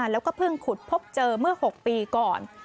แล้วก็เพิ่งขุดพบเจอเมื่อ๖ปีก่อน